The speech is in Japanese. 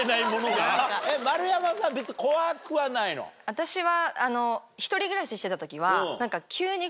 私は。